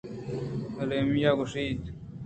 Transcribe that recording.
ایمیلیا ءَ گوٛشت